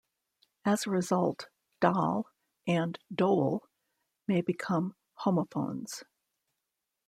As a result, "doll" and "dole" may become homophones.